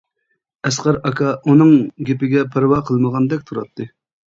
ئەسقەر ئاكا ئۇنىڭ گېپىگە پەرۋا قىلمىغاندەك تۇراتتى.